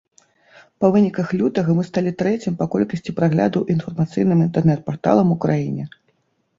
Па выніках лютага мы сталі трэцім па колькасці праглядаў інфармацыйным інтэрнэт-парталам у краіне.